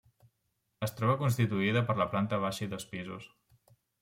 Es troba constituïda per la planta baixa i dos pisos.